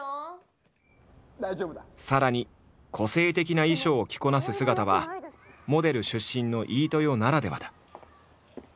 さらに個性的な衣装を着こなす姿はモデル出身の飯豊ならではだ。